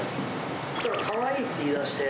そしたら、かわいいって言いだして。